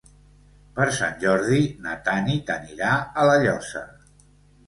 Per Sant Jordi na Tanit anirà a La Llosa.